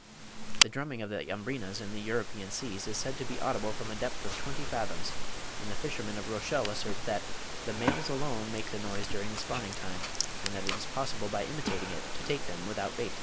The drumming of the Umbrinas in the European seas is said to be audible from a depth of twenty fathoms; and the fishermen of Rochelle assert "that the males alone make the noise during the spawning time; and that it is possible by imitating it, to take them without bait."